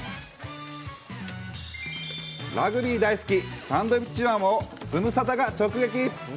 ラグビー大好き、サンドウィッチマンをズムサタが直撃。